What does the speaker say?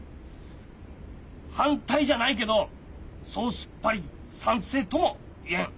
反対じゃないけどそうすっぱり賛成とも言えん。